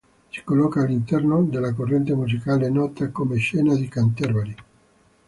Si colloca all'interno della corrente musicale nota come scena di Canterbury.